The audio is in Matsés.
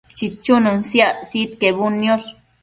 chichunën siac sidquebudniosh